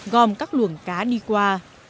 gom các luồng cá đi qua